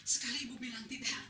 sekali ibu bilang tidak